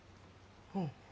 うん。